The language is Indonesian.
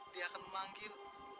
dia akan memanggil